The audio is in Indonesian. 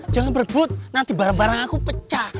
jangan berebut nanti barang barang aku pecah